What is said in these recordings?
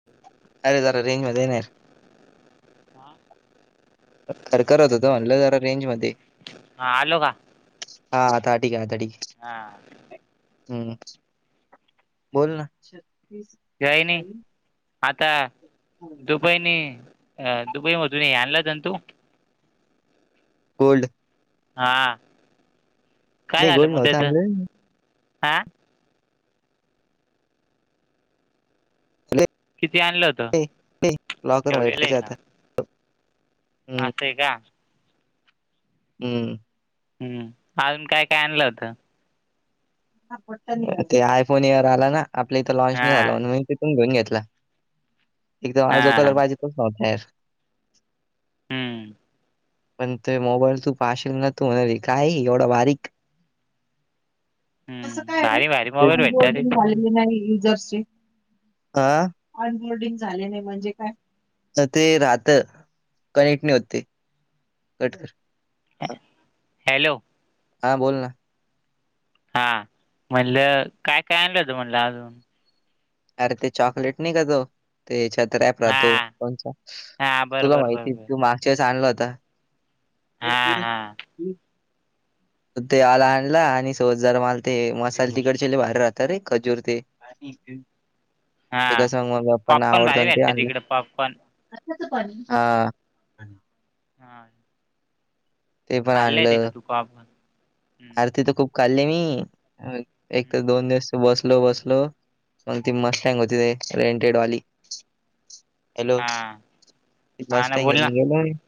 [inaudible] अरे जरा रेंज मध्ये ये ना यार. ता. खरखरत होत म्हणलं जरा रेंज मध्ये ये. आलो का हा आता ठीक काय. आता ठीक काय. हा. हम्. बोल ना. काहि नाई. आता दुबईनी - - अ दुबई मधून हे आणल [unintelligible] कोल्ड. हा. काय नाही झालं गोल्ड मग नव्हतं त्याचं? आणलं आ. किती आणलं हो- - ते ते लॉकर मध्ये ठेवायच होत. आस ए का. हम्म. हम्म. अजून काय काय आणलं होतं? ते आयफोन एअर आला ना. आपल्या इथं लॉन्च हा नाही झाला म्हणून मी तिथून घेऊन घेतला. एकतर मला जो हा कलर पाहिजे तोच नव्हता यार. हम्म पण ते मोबाईल तू पाहशील ना तू म्हणल हे काय एवढा बारीक. असं हम्म काय आहे भारी भारी रे? मोबाईल भेटतात ऑनबोर्डिंग तिथं झाले नाहि युजर्सचे. ह. ऑनबोर्डिंग झाले नाही म्हणजे काय? अगं ते राहत. कनेक्ट नाही होत ते कट कर. हॅलो. हा बोल ना. हा. म्हणलं काय काय आणलं तु म्हणलं अजून? अरे ते चॉकलेट नाई का तो ते याच्यात रॅप हा राहतो कोणचा? हा बरं तुला बरं बरं माहिती बरं तू मागच्यावेळेस आणला होता. हा [unintelligible] हा हम ते आल आणला आणि सोज जार माल ते मसाल तिकडचे लय भारी राहतात रे खजूर ते. ते हा कस मम्मी पप्पांना पॉपकॉर्न आवडत भारी न ते भेटतात आणलं. तिकडं पॉपकॉर्न [unintelligible] पाणी. आ. हा. ते पण खाल्ले ते का आणलं. तू पॉपकॉर्न आर तित खूप खाल्ली मी. एक त दोन दिवस बसलो बसलो वन ति मस्त हॅंग होती [unintelligible] रेंटेडवाली. हॅलो हां हां [unintelligible]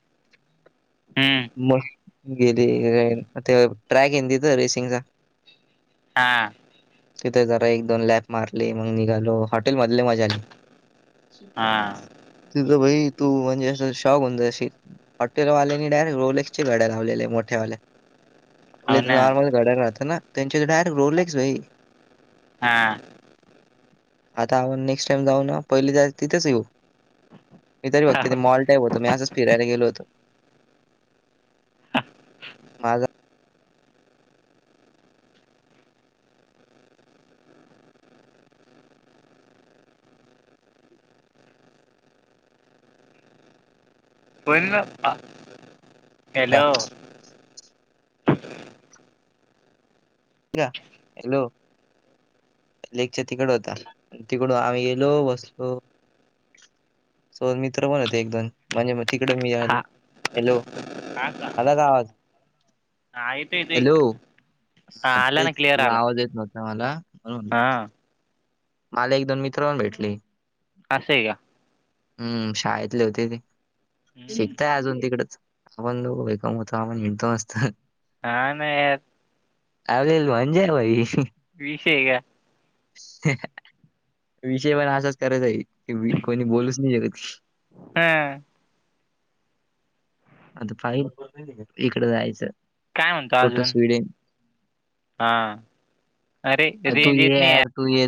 हम्म. मस्त गेली ते ट्रॅक येना तिथ रेसिंगचा. हां. तिथे जरा एक दोन लॅप मारले मग निघालो. हॉटेल मध्येलय मजा आली. शे हां पन्नास. तिथं भाई तू म्हणजे अस शॉक होऊन जाशील हॉटेलवाल्यानी डायरेक्ट रोलेक्स - - च्या गाड्या लावलेल्या मोठ्यावाल्या. आपल्या हो इथ ना नॉर्मल गाड्या राहता ना. त्यांच्याकडे डायरेक्ट रोलेक्स भाई. हा. आता आपण नेक्स्ट टाइम जाऊ ना पहिले जाउ तिथेच येऊ. हे तरी फक्त ते मॉल टाईप होत मी असंच फिरायला गेलो होतो. माझा होईल ना हॅलो. हॅलो. लेकच्या तिकड होता तिकडून आम्ही गेलो बसलो. सोबत मित्र पण होते एक दोन म्हणजे म तिकड मी आलो हां हॅलो. असला का आवाज हा येतोय येतोय. हॅलो तेच तुझा आवाज येत नव्हता मला म्हणून [inaudible] मला एक दोन मित्रपन भेटले. असे या. हम्म शाळेतले होते ते शिकताय अजून तिकडच आपण दोघ भाई कमवतो आपण हिडतो आसतो ह. हाना यार. आवरेज म्हणजे भाई. विषये का? [unintelligible] विषय पण असाच करायेचा कीवी कोणी बोलूच नाही शकत. [unintelligible] आता पाहिल इकड जायच. काय म्हणता अजून हा अरे तू रेंज येत ये नाही या. यार तू येत.